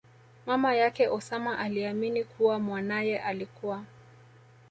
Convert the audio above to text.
mama yake Osama aliamini kuwa mwanaye alikua